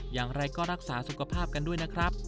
อย่างไรก็รักษาสุขภาพกันด้วยนะครับ